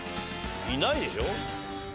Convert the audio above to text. いないでしょ。